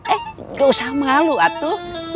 eh gak usah malu atu